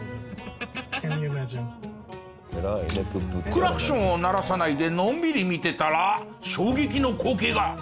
クラクションを鳴らさないでのんびり見てたら衝撃の光景が。